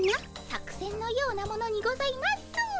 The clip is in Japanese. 作せんのようなものにございます。